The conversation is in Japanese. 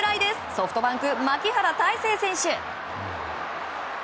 ソフトバンク、牧原大成選手。